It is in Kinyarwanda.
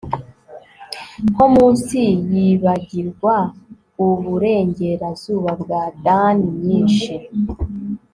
nko munsi yibagirwa iburengerazuba bwa dun nyinshi